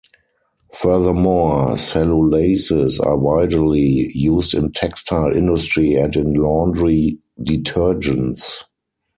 Furthermore, cellulases are widely used in textile industry and in laundry detergents.